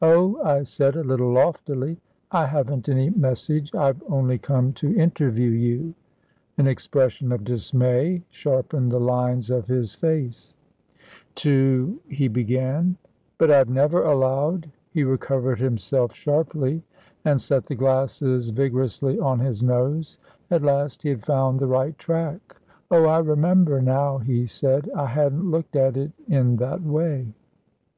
"Oh," I said, a little loftily, "I haven't any message, I've only come to interview you." An expression of dismay sharpened the lines of his face. "To...." he began, "but I've never allowed " He recovered himself sharply, and set the glasses vigorously on his nose; at last he had found the right track. "Oh, I remember now," he said, "I hadn't looked at it in that way."